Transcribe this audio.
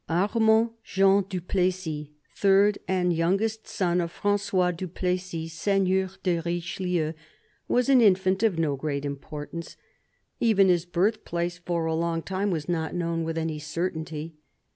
Armand Jean du Plessis, third and youngest son of Fran9ois du Plessis, Seigneur de Richelieu, was an infant of no great importance. Even his birthplace, for a long time, was not known with any certainty.